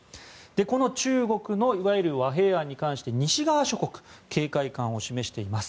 この中国のいわゆる和平案に関して西側諸国警戒感を示しています。